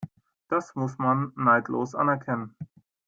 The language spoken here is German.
Das muss man neidlos anerkennen.